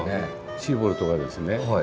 シーボルトがですね